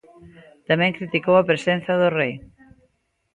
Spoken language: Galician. Tamén criticou a presenza do Rei.